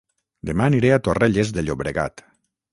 Dema aniré a Torrelles de Llobregat